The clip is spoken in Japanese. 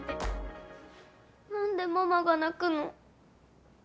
何でママが泣くの？